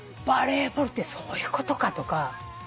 バレーボールってそういうことかとか。